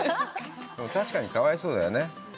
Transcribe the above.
確かに、かわいそうだよね。